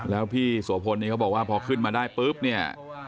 แล้วพี่โสพลนี่เขาบอกว่าพอขึ้นมาได้ปุ๊บเนี่ย